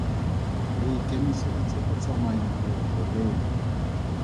Re ikemiseditse go tsamaya leeto leno.